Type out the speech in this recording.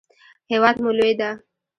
هیواد مو لوی ده.